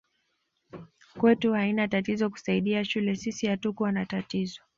Kwetu haina tatizo kusaidia shule sisi hatukua na tatizo